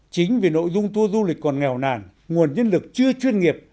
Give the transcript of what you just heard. chính vì nội dung tour du lịch còn nghèo nàn nguồn nhân lực chưa chuyên nghiệp